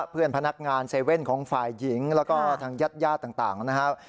เพื่อนพนักงานเซเว่นของฝ่ายหญิงแล้วก็ทางยัดต่างนะครับ